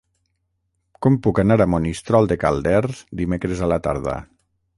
Com puc anar a Monistrol de Calders dimecres a la tarda?